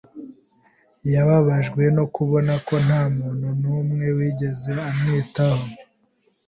Yababajwe no kubona ko nta muntu n'umwe wigeze amwitaho.